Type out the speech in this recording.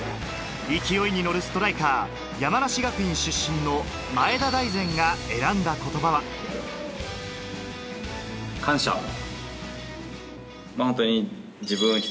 勢いに乗るストライカー、山梨学院出身の前田大然が選んだ言葉は、感謝。